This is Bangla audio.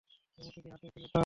এ মূর্তির হাতে ছিল তীর।